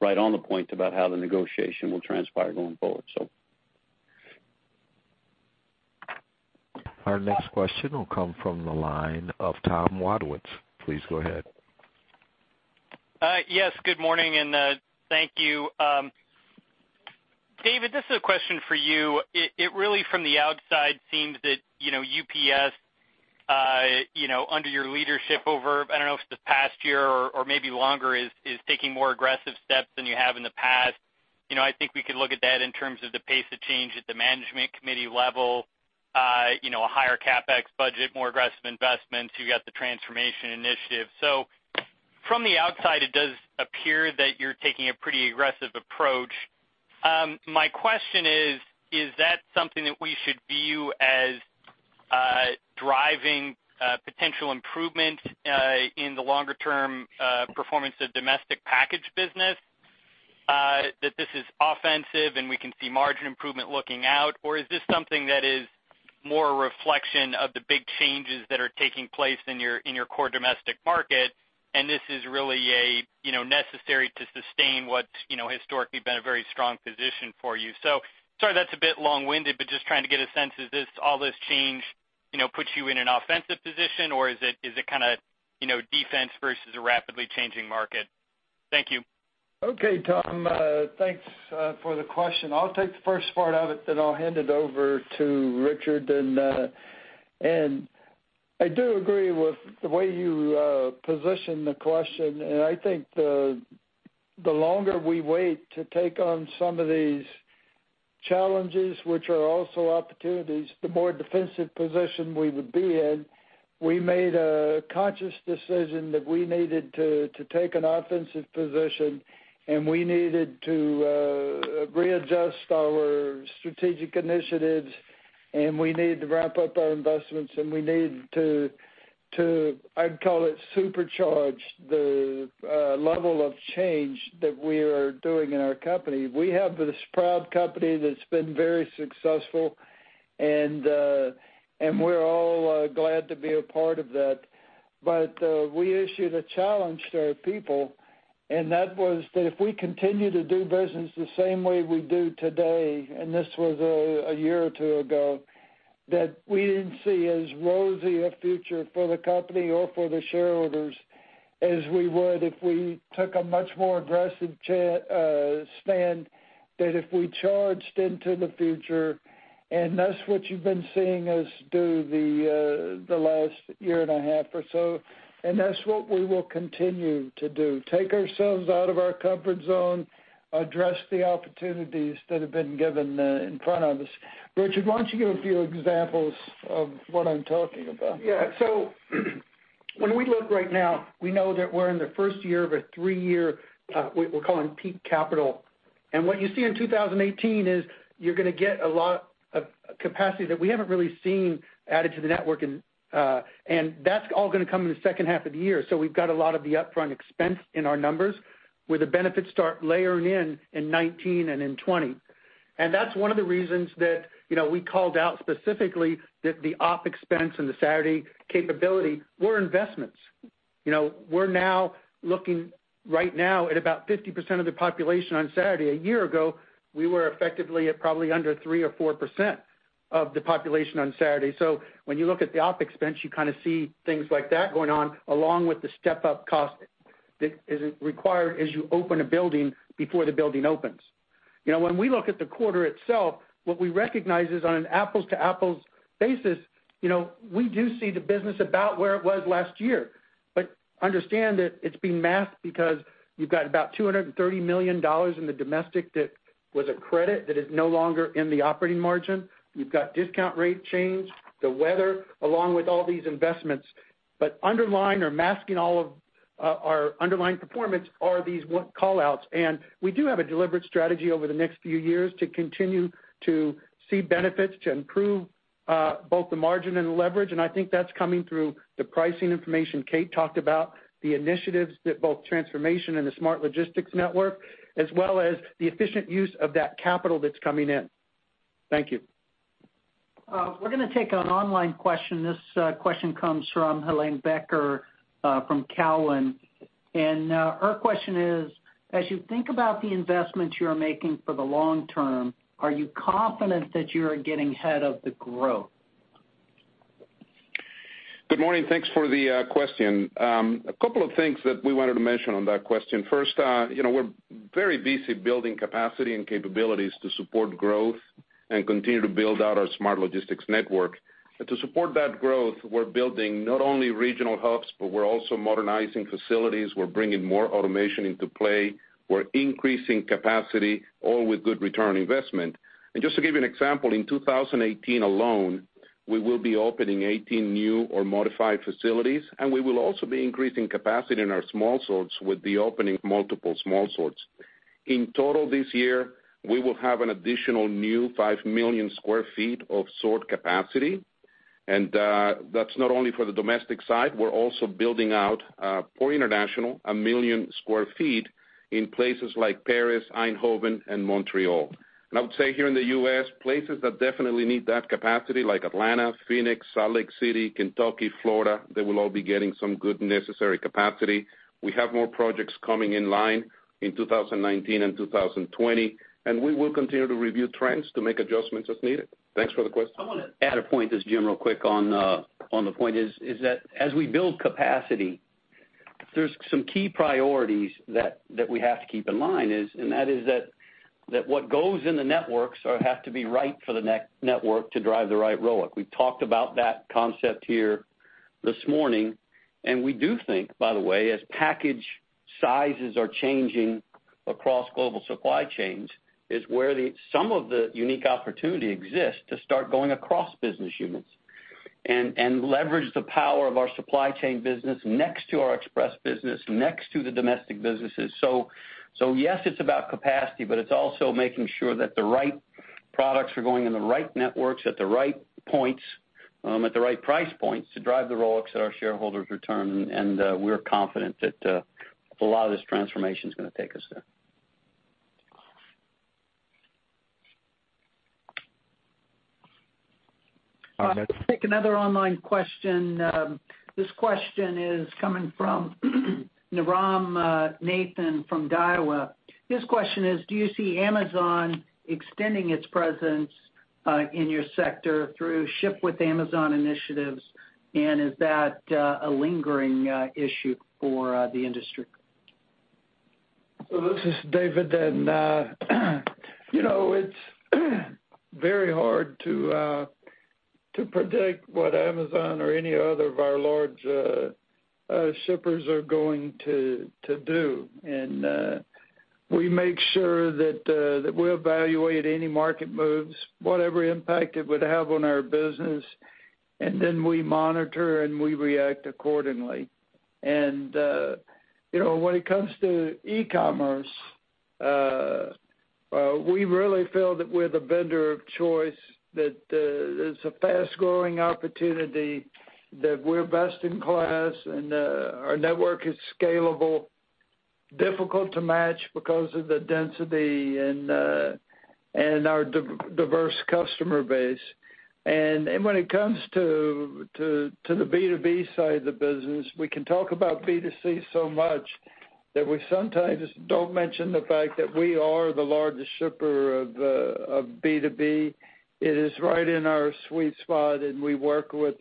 right on the point about how the negotiation will transpire going forward. Our next question will come from the line of Thomas Wadewitz. Please go ahead. Yes, good morning, and thank you. David Abney, this is a question for you. It really, from the outside, seems that UPS under your leadership over, I don't know if it's the past year or maybe longer, is taking more aggressive steps than you have in the past. I think we could look at that in terms of the pace of change at the management committee level, a higher CapEx budget, more aggressive investments. You've got the Transformation Initiative. From the outside, it does appear that you're taking a pretty aggressive approach. My question is: Is that something that we should view as driving potential improvement in the longer-term performance of domestic package business? That this is offensive and we can see margin improvement looking out, or is this something that is more a reflection of the big changes that are taking place in your core domestic market and this is really necessary to sustain what's historically been a very strong position for you. Sorry, that's a bit long-winded, but just trying to get a sense of this, all this change puts you in an offensive position or is it kind of defense versus a rapidly changing market? Thank you. Okay, Tom. Thanks for the question. I'll take the first part of it, then I'll hand it over to Richard. I do agree with the way you position the question, and I think the longer we wait to take on some of these challenges, which are also opportunities, the more defensive position we would be in. We made a conscious decision that we needed to take an offensive position, and we needed to readjust our strategic initiatives, and we needed to ramp up our investments, and we needed to, I'd call it supercharge the level of change that we are doing in our company. We have this proud company that's been very successful and we're all glad to be a part of that. We issued a challenge to our people, and that was that if we continue to do business the same way we do today, and this was a year or 2 ago, that we didn't see as rosy a future for the company or for the shareholders as we would if we took a much more aggressive stand, that if we charged into the future. That's what you've been seeing us do the last year and a half or so. That's what we will continue to do, take ourselves out of our comfort zone, address the opportunities that have been given in front of us. Richard, why don't you give a few examples of what I'm talking about? Yeah. When we look right now, we know that we're in the first year of a 3-year, we're calling peak capital. What you see in 2018 is you're going to get a lot of capacity that we haven't really seen added to the network. That's all going to come in the second half of the year. We've got a lot of the upfront expense in our numbers where the benefits start layering in in 2019 and in 2020. That's one of the reasons that we called out specifically that the OpEx and the Saturday capability were investments. We're now looking right now at about 50% of the population on Saturday. A year ago, we were effectively at probably under 3% or 4% of the population on Saturday. When you look at the OpEx, you kind of see things like that going on along with the step-up cost that is required as you open a building before the building opens. When we look at the quarter itself, what we recognize is on an apples-to-apples basis, we do see the business about where it was last year. Understand that it's been masked because you've got about $230 million in the domestic that was a credit that is no longer in the operating margin. You've got discount rate change, the weather, along with all these investments. Underlying or masking all of our underlying performance are these call-outs. We do have a deliberate strategy over the next few years to continue to see benefits to improve both the margin and the leverage. I think that's coming through the pricing information Kate talked about, the initiatives that both Transformation and the Smart Logistics Network, as well as the efficient use of that capital that's coming in. Thank you. We're going to take an online question. This question comes from Helane Becker from Cowen, her question is: as you think about the investments you are making for the long term, are you confident that you are getting ahead of the growth? Good morning. Thanks for the question. A couple of things that we wanted to mention on that question. First, we're very busy building capacity and capabilities to support growth and continue to build out our Smart Logistics Network. To support that growth, we're building not only regional hubs, but we're also modernizing facilities. We're bringing more automation into play. We're increasing capacity, all with good return on investment. Just to give you an example, in 2018 alone, we will be opening 18 new or modified facilities, we will also be increasing capacity in our small sorts with the opening of multiple small sorts. In total this year, we will have an additional new 5 million square feet of sort capacity. That's not only for the domestic side. We're also building out, for international, 1 million square feet in places like Paris, Eindhoven, and Montreal. I would say here in the U.S., places that definitely need that capacity, like Atlanta, Phoenix, Salt Lake City, Kentucky, Florida, they will all be getting some good necessary capacity. We have more projects coming in line in 2019 and 2020, we will continue to review trends to make adjustments as needed. Thanks for the question. I want to add a point, just Jim, real quick on the point is that as we build capacity, there's some key priorities that we have to keep in line. That is that what goes in the networks has to be right for the network to drive the right ROIC. We've talked about that concept here this morning. We do think, by the way, as package sizes are changing across global supply chains, is where some of the unique opportunity exists to start going across business units and leverage the power of our supply chain business next to our express business, next to the domestic businesses. Yes, it's about capacity, but it's also making sure that the right products are going in the right networks at the right price points to drive the ROICs that our shareholders return. We're confident that a lot of this transformation is going to take us there. Let's take another online question. This question is coming from Jairam Nathan from Daiwa. His question is: do you see Amazon extending its presence in your sector through Ship with Amazon initiatives, and is that a lingering issue for the industry? This is David. It's very hard to predict what Amazon or any other of our large shippers are going to do. We make sure that we evaluate any market moves, whatever impact it would have on our business, then we monitor, and we react accordingly. When it comes to e-commerce, we really feel that we're the vendor of choice, that there's a fast-growing opportunity, that we're best in class, and our network is scalable, difficult to match because of the density and our diverse customer base. When it comes to the B2B side of the business, we can talk about B2C so much that we sometimes don't mention the fact that we are the largest shipper of B2B. It is right in our sweet spot. We work with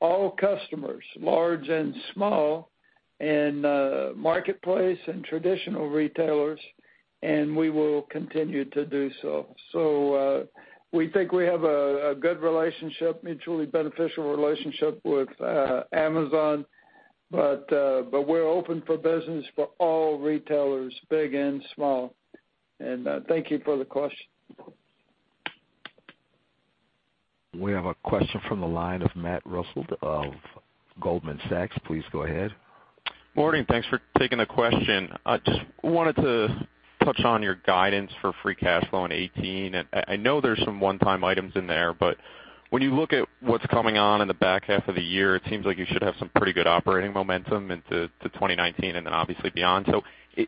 all customers, large and small, marketplace and traditional retailers, and we will continue to do so. We think we have a good relationship, mutually beneficial relationship with Amazon, but we're open for business for all retailers, big and small. Thank you for the question. We have a question from the line of Matthew Russell of Goldman Sachs. Please go ahead. Morning. Thanks for taking the question. I just wanted to touch on your guidance for free cash flow in 2018. When you look at what's coming on in the back half of the year, it seems like you should have some pretty good operating momentum into 2019 and then obviously beyond. Is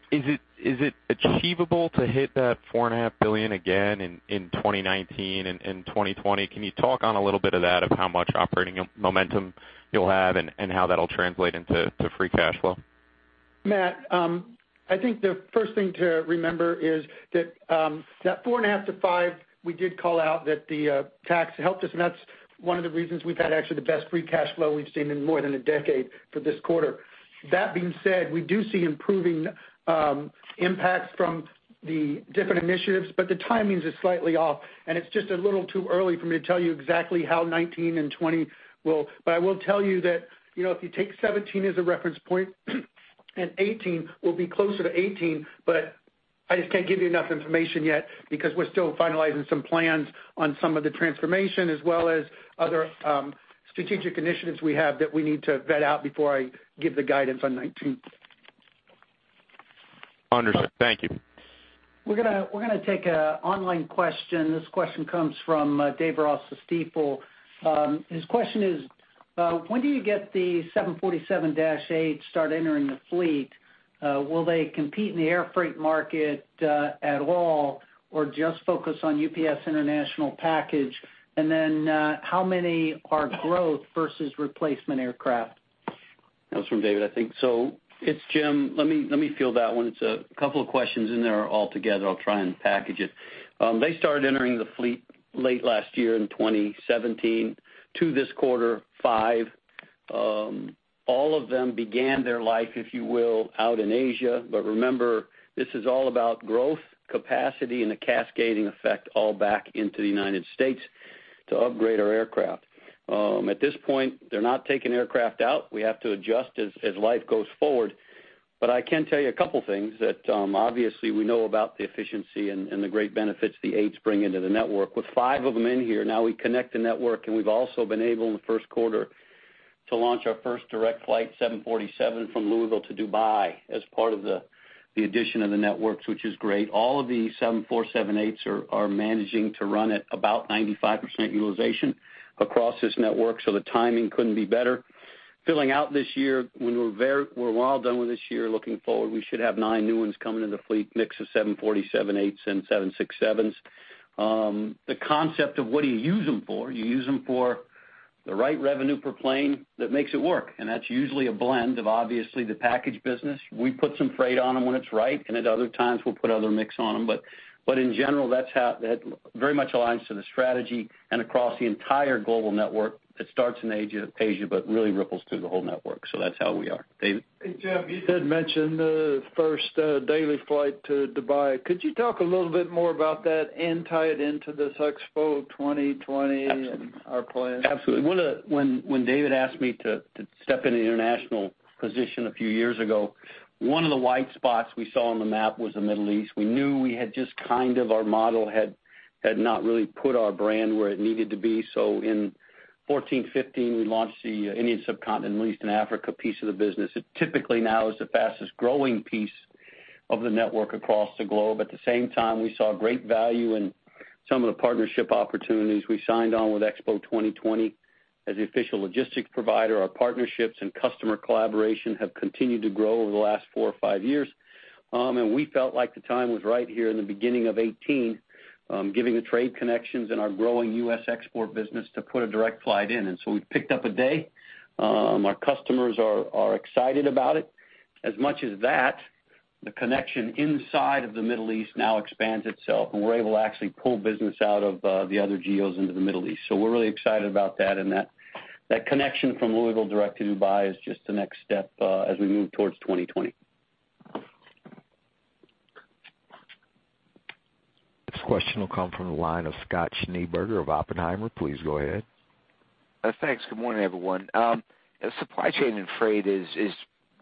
it achievable to hit that $4.5 billion again in 2019 and 2020? Can you talk on a little bit of that, of how much operating momentum you'll have and how that'll translate into free cash flow? Matt, I think the first thing to remember is that four and a half to five, we did call out that the tax helped us, and that's one of the reasons we've had actually the best free cash flow we've seen in more than a decade for this quarter. That being said, we do see improving impacts from the different initiatives. The timings are slightly off, and it's just a little too early for me to tell you exactly how 2019 and 2020 will. I will tell you that if you take 2017 as a reference point and 2018, we'll be closer to 2018. I just can't give you enough information yet because we're still finalizing some plans on some of the transformation, as well as other strategic initiatives we have that we need to vet out before I give the guidance on 2019. Understood. Thank you. We're going to take an online question. This question comes from David Ross of Stifel. His question is: when do you get the 747-8 start entering the fleet? Will they compete in the air freight market at all or just focus on UPS International Package? Then, how many are growth versus replacement aircraft? That was from David, I think. It's Jim. Let me field that one. It's a couple of questions in there all together. I'll try and package it. They started entering the fleet late last year in 2017 to this quarter, five. All of them began their life, if you will, out in Asia. Remember, this is all about growth, capacity, and the cascading effect all back into the U.S. to upgrade our aircraft. At this point, they're not taking aircraft out. We have to adjust as life goes forward. I can tell you a couple things, that obviously we know about the efficiency and the great benefits the eights bring into the network. With five of them in here, now we connect the network, and we've also been able, in the first quarter, to launch our first direct flight 747 from Louisville to Dubai as part of the addition of the networks, which is great. All of the 747-8s are managing to run at about 95% utilization across this network. The timing couldn't be better. Filling out this year, when we're all done with this year, looking forward, we should have nine new ones coming into the fleet, mix of 747-8s and 767s. The concept of what do you use them for, you use them for the right revenue per plane that makes it work, and that's usually a blend of, obviously, the package business. We put some freight on them when it's right, and at other times, we'll put other mix on them. In general, that very much aligns to the strategy and across the entire global network. It starts in Asia, really ripples through the whole network. That's how we are. David? Hey, Jim, you did mention the first daily flight to Dubai. Could you talk a little bit more about that and tie it into this Expo 2020 and our plans? Absolutely. When David asked me to step into the international position a few years ago, one of the white spots we saw on the map was the Middle East. We knew we had just kind of, our model had not really put our brand where it needed to be. In 2014, 2015, we launched the Indian subcontinent, Middle Eastern Africa piece of the business. It typically now is the fastest-growing piece of the network across the globe. At the same time, we saw great value in some of the partnership opportunities. We signed on with Expo 2020 as the official logistics provider. Our partnerships and customer collaboration have continued to grow over the last four or five years. We felt like the time was right here in the beginning of 2018, giving the trade connections and our growing U.S. export business to put a direct flight in. We picked up a day. Our customers are excited about it. As much as that, the connection inside of the Middle East now expands itself, and we're able to actually pull business out of the other geos into the Middle East. We're really excited about that, and that connection from Louisville direct to Dubai is just the next step as we move towards 2020. This question will come from the line of Scott Schneeberger of Oppenheimer. Please go ahead. Thanks. Good morning, everyone. Supply chain and freight is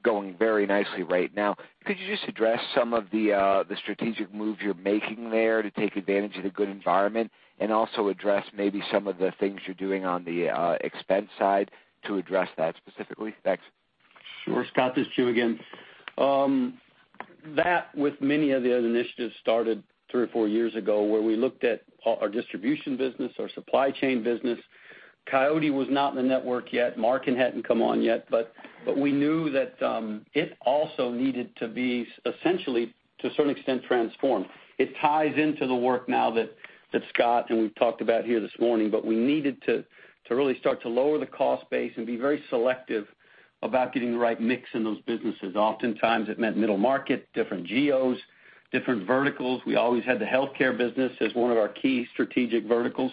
going very nicely right now. Could you just address some of the strategic moves you're making there to take advantage of the good environment and also address maybe some of the things you're doing on the expense side to address that specifically? Thanks. Sure, Scott, this is Jim again. That, with many of the other initiatives, started three or four years ago where we looked at our distribution business, our supply chain business. Coyote was not in the network yet. Marken hadn't come on yet. We knew that it also needed to be essentially, to a certain extent, transformed. It ties into the work now that Scott and we've talked about here this morning. We needed to really start to lower the cost base and be very selective about getting the right mix in those businesses. Oftentimes, it meant middle market, different geos, different verticals. We always had the healthcare business as one of our key strategic verticals,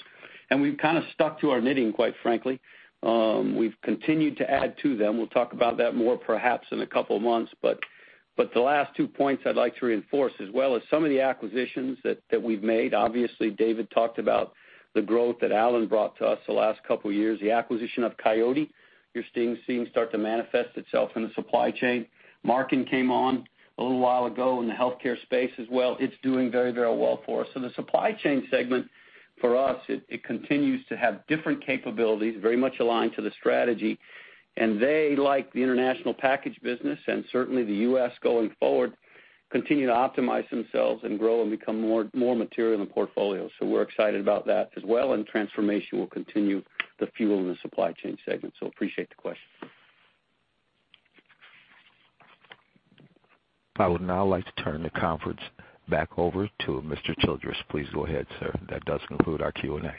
and we've kind of stuck to our knitting, quite frankly. We've continued to add to them. We'll talk about that more perhaps in a couple of months. The last two points I'd like to reinforce as well is some of the acquisitions that we've made. Obviously, David talked about the growth that Alan brought to us the last couple of years. The acquisition of Coyote, you're seeing start to manifest itself in the supply chain. Marken came on a little while ago in the healthcare space as well. It's doing very, very well for us. The supply chain segment, for us, it continues to have different capabilities, very much aligned to the strategy. They, like the international package business and certainly the U.S. going forward, continue to optimize themselves and grow and become more material in the portfolio. We're excited about that as well, and transformation will continue to fuel the supply chain segment. Appreciate the question. I would now like to turn the conference back over to Mr. Childress. Please go ahead, sir. That does conclude our Q&A.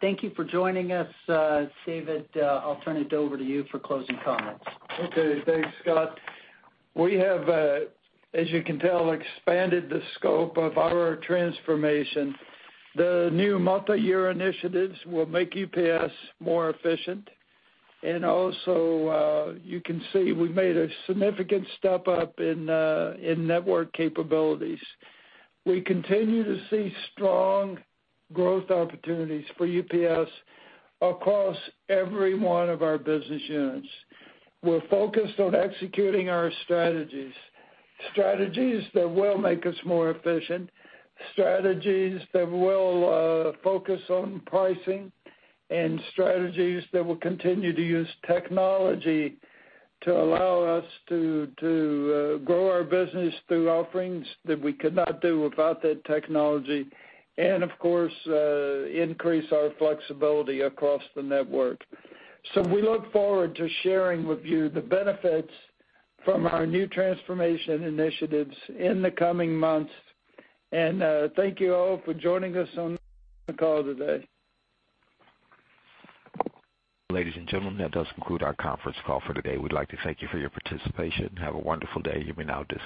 Thank you for joining us. David, I'll turn it over to you for closing comments. Okay. Thanks, Scott. We have, as you can tell, expanded the scope of our transformation. The new multi-year initiatives will make UPS more efficient, and also, you can see we've made a significant step up in network capabilities. We continue to see strong growth opportunities for UPS across every one of our business units. We're focused on executing our strategies that will make us more efficient, strategies that will focus on pricing, and strategies that will continue to use technology to allow us to grow our business through offerings that we could not do without that technology and, of course, increase our flexibility across the network. We look forward to sharing with you the benefits from our new transformation initiatives in the coming months. Thank you all for joining us on the call today. Ladies and gentlemen, that does conclude our conference call for today. We'd like to thank you for your participation. Have a wonderful day. You may now disconnect.